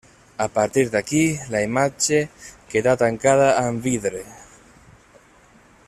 A partir d'aquí la imatge quedà tancada amb vidre.